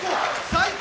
最高！